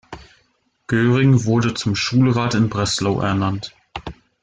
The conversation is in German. Göring wurde zum Schulrat in Breslau ernannt.